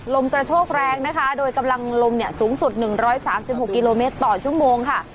ลมกระโชกแรงนะคะโดยกำลังลมเนี่ยสูงสุด๑๓๖กิโลเมตรต่อชั่วโมงค่ะ